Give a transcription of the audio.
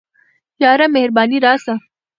یاره مهربانه راسه